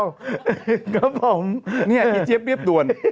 อันนี้เขาผมนี่อี๋เจี๊ยบเรียบด่วน